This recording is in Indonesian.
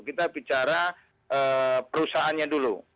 kita bicara perusahaannya dulu